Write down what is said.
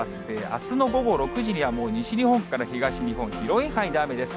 あすの午後６時には、もう西日本から東日本、広い範囲で雨です。